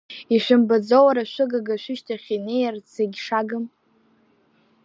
Ишәымбаӡо, уара, шәыгага шәышьҭахь инеирц егьшагым.